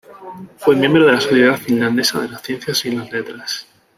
Fue miembro de la Sociedad finlandesa de las ciencias y las letras.